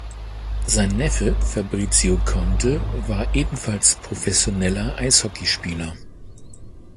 Sein Neffe Fabrizio Conte war ebenfalls professioneller Eishockeyspieler.